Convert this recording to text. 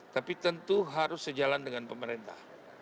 tapi tentu harus sejalan dengan pemerintah